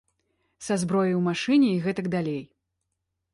Са зброяй у машыне і гэтак далей.